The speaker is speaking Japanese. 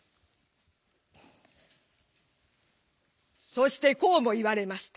「そしてこうも言われました。